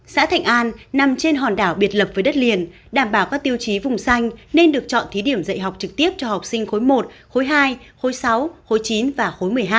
xã thạnh an nằm trên hòn đảo biệt lập với đất liền đảm bảo các tiêu chí vùng xanh nên được chọn thí điểm dạy học trực tiếp cho học sinh khối một khối hai khối sáu khối chín và khối một mươi hai